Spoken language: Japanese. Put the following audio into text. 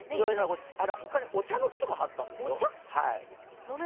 ほかにお茶の木とかもあったんですよ。